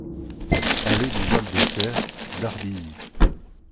Allée du Val de Serres, Dardilly